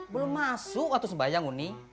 belum masuk waktu sembahyang